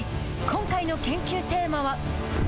今回の研究テーマは。